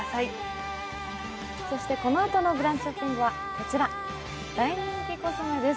このあとの「ブランチショッピング」はこちら、大人気のコスメです。